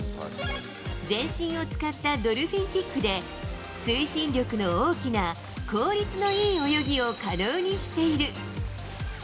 全身を使ったドルフィンキックで、推進力の大きな効率のいい泳ぎを可能にしている。